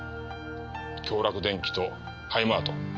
京洛電機とハイマート